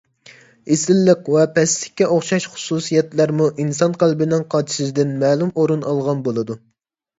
ئېسىللىق ۋە پەسلىككە ئوخشاش خۇسۇسىيەتلەرمۇ ئىنسان قەلبىنىڭ قاچىسىدىن مەلۇم ئورۇن ئالغان بولىدۇ.